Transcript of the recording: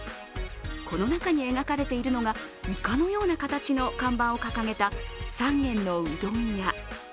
この中に描かれているのがいかのような形の看板を掲げた３軒のうどん屋。